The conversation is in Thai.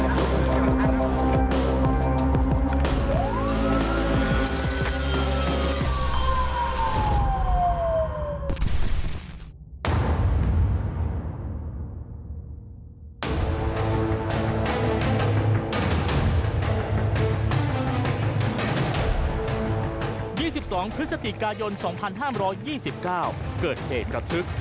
วันที่๒๒พฤศจิกายนสองพันห้ามร้อยยี่สิบเก้าเกิดเหตุกระทึก